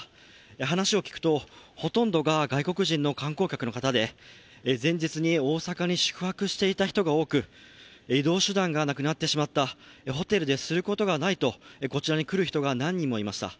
話を聞くとほとんどが外国人の観光客の方で、前日に大阪に宿泊していた人が多く移動手段がなくなってしまった、ホテルですることがないとこちらに来る人が何人もいました。